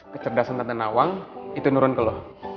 kecerdasan tante nawang itu nurun ke lo